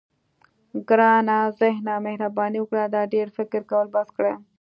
ګرانه ذهنه مهرباني وکړه دا ډېر فکر کول بس کړه.